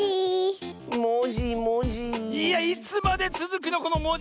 いやいつまでつづくのこのもじもじがっせん！